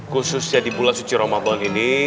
khusus jadi bulan suci roma bulan ini